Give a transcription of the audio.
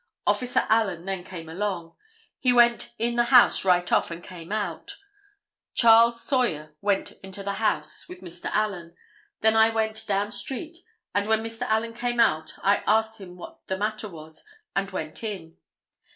Officer Allen then came along. He went in the house right off and came out. Charles Sawyer went into the house with Mr. Allen. Then I went down street, and when Mr. Allen came out I asked him what the matter was and went in.